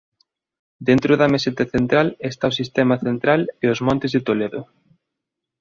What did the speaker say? Dentro da Meseta Central está o Sistema Central e os Montes de Toledo.